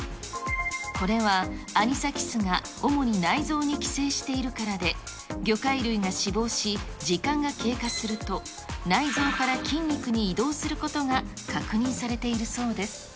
これはアニサキスが主に内臓に寄生しているからで、魚介類が死亡し、時間が経過すると、内臓から筋肉に移動することが確認されているそうです。